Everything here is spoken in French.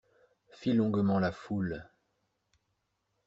Fit longuement la foule.